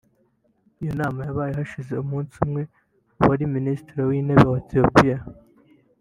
Iyo nama yabaye hashize umunsi umwe uwari Minisitiri w’Intebe wa Ethiopia